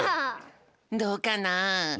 どうかな？